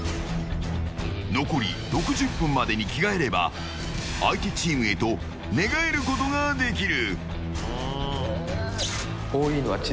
残り６０分までに着替えれば相手チームへと寝返ることができる。